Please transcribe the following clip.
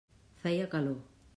Feia calor.